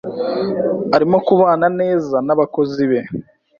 Arimo kubana neza nabakozi be.